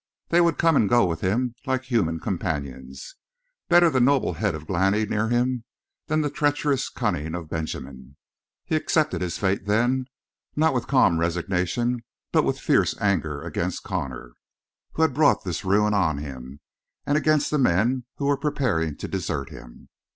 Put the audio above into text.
They would come and go with him like human companions. Better the noble head of Glani near him than the treacherous cunning of Benjamin! He accepted his fate, then, not with calm resignation, but with fierce anger against Connor, who had brought this ruin on him, and against the men who were preparing to desert him.